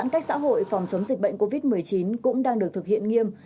cách xã hội phòng chống dịch bệnh covid một mươi chín cũng đang được thực hiện nghiêm